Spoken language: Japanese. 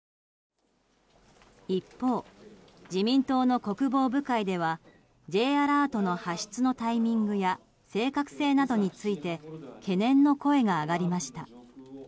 一方、自民党の国防部会ではＪアラートの発出のタイミングや正確性などについて懸念の声が上がりました。